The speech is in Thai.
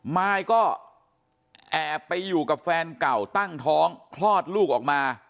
มายก็แอบไปอยู่กับแฟนเก่าตั้งท้องคลอดลูกออกมา